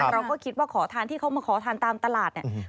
เราก็คิดว่าขอทานที่เขามาขอทานตามตลาดเนี่ย